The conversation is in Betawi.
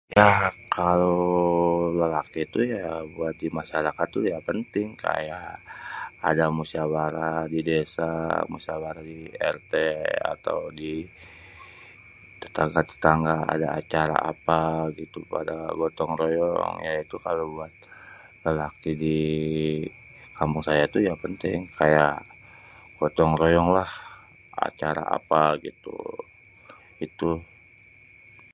Yah kalo lélaki tuh buat di masarakat tuh ya penting, kayak ada musyawarah di desa, musyawarah di RT, atau di tetangga-tetangga ada acara apa, gitu gotong royong, yaitu kalo lélaki di kampung saya tuh ya penting, kayak gotong royong lah, acara apa gitu.